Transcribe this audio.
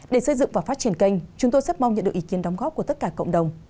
để xây dựng và phát triển kênh chúng tôi rất mong nhận được ý kiến đóng góp của tất cả cộng đồng